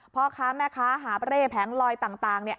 พ่อค้าแม่ค้าหาบเร่แผงลอยต่างเนี่ย